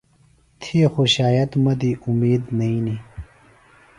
تھی خو شاید مہ دی اُمید نئینی۔